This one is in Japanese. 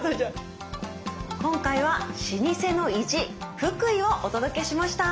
今回は「老舗の意地福井」をお届けしました。